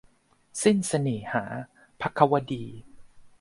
สิ้นเสน่หา - ภควดี